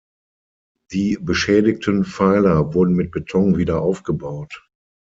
Die beschädigten Pfeiler wurden mit Beton wieder aufgebaut.